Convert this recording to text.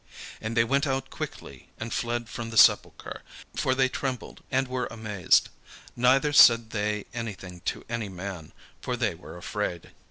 And they went out quickly, and fled from the sepulchre; for they trembled and were amazed: neither said they anything to any man; for they were afraid.